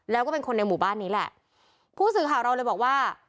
แล้วก็เป็นคนในหมู่บ้านนี้แหละผู้สื่อข่าวเราเลยบอกว่า